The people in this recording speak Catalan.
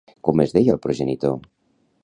Com es deia el progenitor?